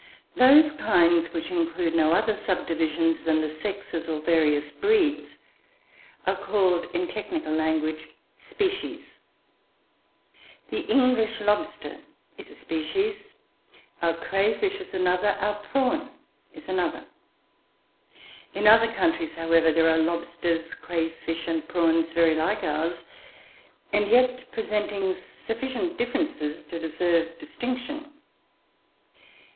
Those kinds which include no other subdivisions than the sexes, or various breeds, are called, in technical language, species. The English lobster is a species, our cray fish is another, our prawn is another. In other countries, however, there are lobsters, cray fish, and prawns, very like ours, and yet presenting sufficient differences to deserve distinction.